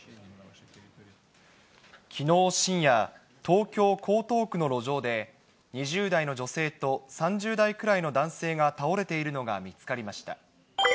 きのう深夜、東京・江東区の路上で２０代の女性と３０代くらいの男性が倒れているのが見つかりました。